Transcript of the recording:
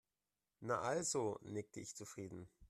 Na also, nickte ich zufrieden.